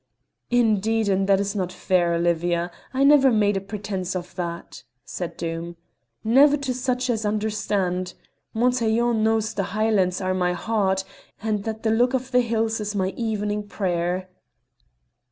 "Indeed, and that is not fair, Olivia; I never made pretence of that," said Doom. "Never to such as understand; Montaiglon knows the Highlands are at my heart, and that the look of the hills is my evening prayer."